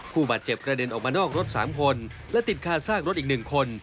ผู้บาดเจ็บกระเด็นออกมานอกรถ๓คนและติดคาซากรถอีก๑คน